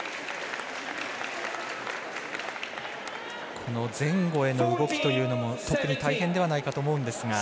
この前後への動きというのも特に大変ではないかと思うんですが。